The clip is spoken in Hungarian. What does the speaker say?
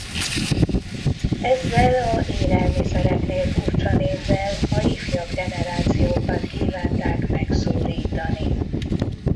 Ezzel a élelmiszereknél furcsa névvel a ifjabb generációkat kívánták megszólítani.